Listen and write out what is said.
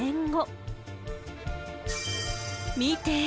見て！